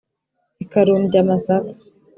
Ikarumby amasaká